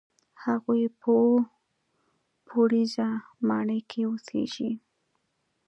هغوی په اووه پوړیزه ماڼۍ کې اوسېږي.